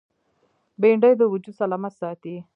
بېنډۍ د وجود سلامت ساتي